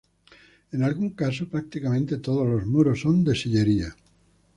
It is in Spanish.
En algún caso prácticamente todos los muros son de sillería.